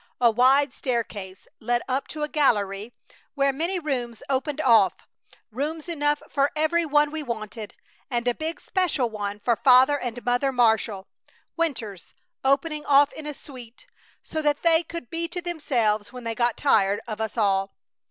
A wide staircase led up to a gallery where many rooms opened off, rooms enough for every one we wanted, and a big special one for Father and Mother Marshall, winters, opening off in a suite, so that they could be to themselves when they got tired of us all.